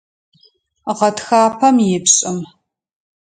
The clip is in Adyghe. Гъэтхапэм ипшӏым.